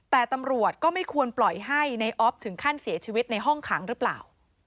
แต่ตำรวจก็ไม่ควรปล่อยให้ในออฟถึงขั้นเสียชีวิตในห้องขังหรือเปล่า